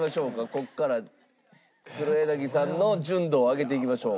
ここから黒柳さんの純度を上げていきましょう。